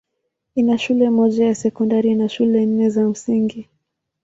Ina shule moja ya sekondari na shule nne za msingi.